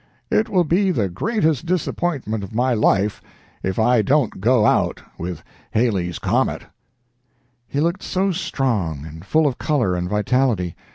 It will be the greatest disappointment of my life if I don't go out with Halley's comet." He looked so strong, and full of color and vitality.